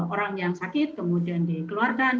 orang yang sakit kemudian dikeluarkan